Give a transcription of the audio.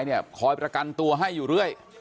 ผู้ชายเนี่ยคอยประกันตัวให้อยู่เรื่อย